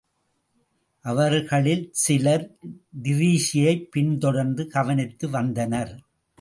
அவர்களில் சிலர் டிரீஸியைப் பின்தொடர்ந்து கவனித்து வந்தனர்.